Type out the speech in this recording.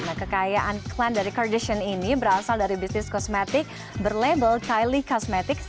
nah kekayaan klan dari kardashian ini berasal dari bisnis kosmetik berlabel kylie cosmetics